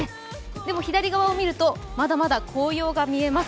でも左側を見ると、まだまだ紅葉があります。